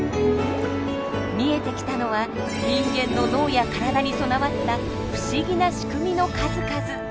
見えてきたのは人間の脳や体に備わった不思議なしくみの数々。